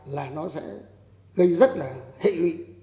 là nó sẽ gây rất là hệ lị